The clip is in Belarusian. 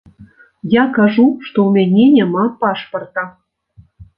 Я кажу, што ў мяне няма пашпарта.